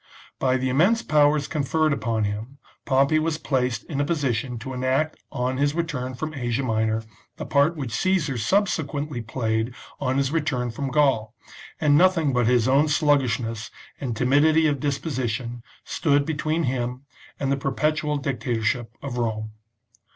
By the immense powers conferred upon him Pompey was placed in a position to enact on his return from Asia Minor the part which Caesar subsequently played on his return from Gaul, and nothing but his own sluggishness and timidity of disposition stood between him and the perpetual dictatorship of Rome.